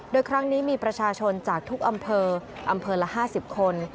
โดยครั้งนี้มีประชาชนจากทุกอำเภออำเภอละ๕๐คน